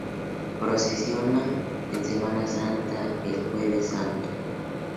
Procesiona en Semana Santa el Jueves Santo.